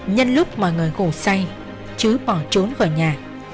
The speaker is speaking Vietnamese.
nhân lúc mọi người khổ say chứ bỏ trốn khỏi nhà